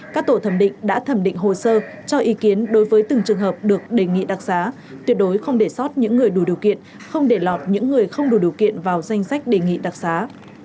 các tổ thẩm định đã thẩm định hồ sơ cho ý kiến đối với từng trường hợp được đề nghị đặc giá tuyệt đối không để sót những người đủ điều kiện không để lọt những người không đủ điều kiện vào danh sách đề nghị đặc xá